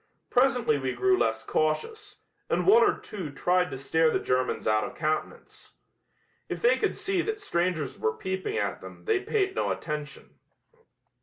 Presently we grew less cautious, and one or two tried to stare the Germans out of countenance. If they could see that strangers were peeping at them they paid no attention.